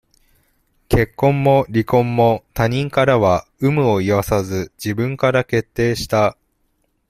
結婚も離婚も、他人からは、有無を言わさず、自分から決定した。